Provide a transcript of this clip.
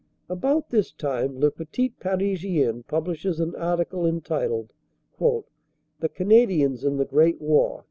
About this time Le Petit Parisien publishes an article entitled, "The Canadians in the Great War."